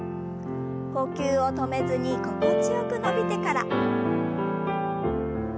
呼吸を止めずに心地よく伸びてから。